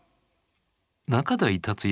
仲代達矢